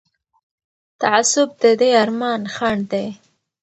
تعصب د دې ارمان خنډ دی